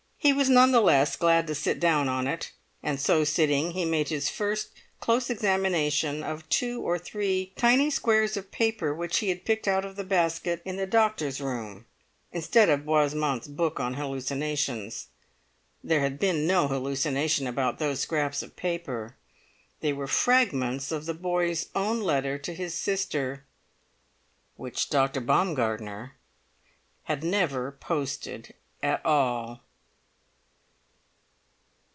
He was none the less glad to sit down on it; and so sitting he made his first close examination of two or three tiny squares of paper which he had picked out of the basket in the doctor's room instead of Boismont's book on hallucinations. There had been no hallucination about those scraps of paper; they were fragments of the boy's own letter to his sister, which Dr. Baumgartner had never posted at all.